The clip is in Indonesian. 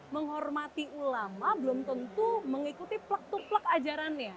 menghormati ulama belum tentu mengikuti plak plak ajarannya